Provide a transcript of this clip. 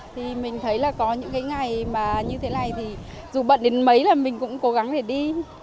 thì mình thấy là có những cái ngày mà như thế này thì dù bận đến mấy là mình cũng cố gắng để đi